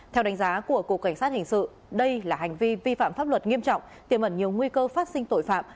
theo đánh giá của cục cảnh sát hình sự đây là hành vi vi phạm pháp luật nghiêm trọng tiềm ẩn nhiều nguy cơ phát sinh tội phạm